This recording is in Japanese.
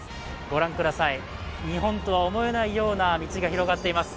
ご覧ください、日本とは思えないような道が広がっています。